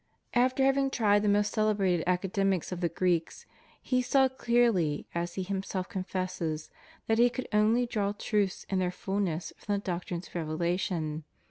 After having tried the most celebrated academies of the Greeks, he saw clearly, as he himself confesses, that he could only draw truths in their fulness from the doctrines of revelation.